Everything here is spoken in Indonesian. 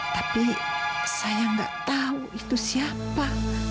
tapi saya nggak tahu itu siapa